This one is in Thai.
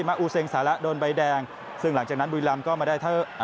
อูเซงสาระโดนใบแดงซึ่งหลังจากนั้นบุรีรำก็มาได้เท่า